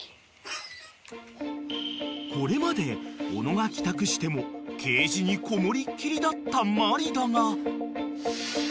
［これまで小野が帰宅してもケージにこもりっきりだったマリだが］